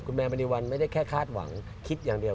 คุณแมนวันนี้วันไม่ได้แค่คาดหวังคิดอย่างเดียว